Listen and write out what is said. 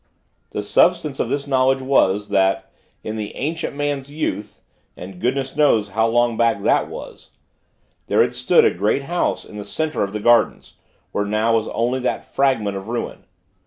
The substance of this knowledge was, that, in the "ancient man's" youth and goodness knows how long back that was there had stood a great house in the center of the gardens, where now was left only that fragment of ruin.